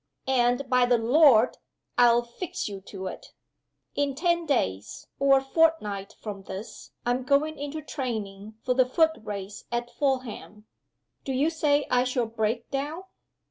And, by the Lord, I'll fix you to it! In ten days or a fortnight from this I'm going into training for the Foot Race at Fulham. Do you say I shall break down?"